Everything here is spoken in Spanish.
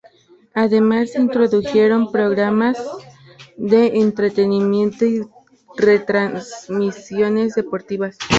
Además, se introdujeron programas de entretenimiento y retransmisiones deportivas.